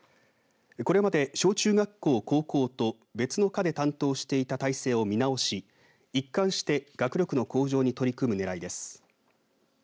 これまで小中学校、高校と別の課で担当していた体制を見直し一貫して学力の向上に取り組むねらいです。